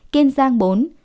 kiên giang bốn